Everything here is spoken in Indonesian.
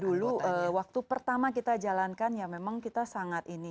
dulu waktu pertama kita jalankan ya memang kita sangat ini